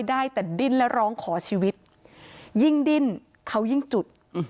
ได้แต่ดิ้นและร้องขอชีวิตยิ่งดิ้นเขายิ่งจุด